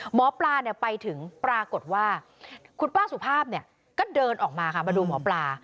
หมอปลาไปถึงปรากฏว่าคุณป้าสุภาพก็เดินออกมาค่ะมาดูหมอปลา